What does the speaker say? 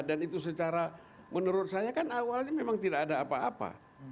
dan itu secara menurut saya kan awalnya memang tidak ada apa apa